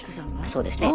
そうですね。